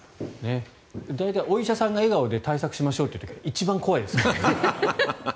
大体お医者さんが笑顔で対策しましょうって言う時は一番怖いですからね。